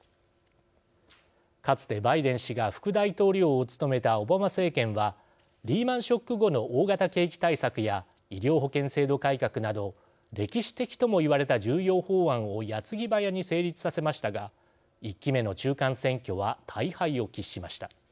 かつてバイデン氏が副大統領を務めたオバマ政権はリーマンショック後の大型景気対策や医療保険制度改革など歴史的ともいわれた重要法案をやつぎばやに成立させましたが１期目の中間選挙は大敗を喫しました。